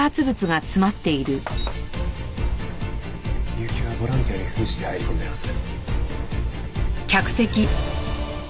結城はボランティアに扮して入り込んでいるはず。